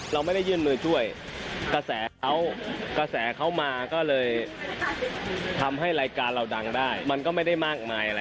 เราไม่ได้ยื่นมือช่วยกระแสเขากระแสเขามาก็เลยทำให้รายการเราดังได้มันก็ไม่ได้มากมายอะไร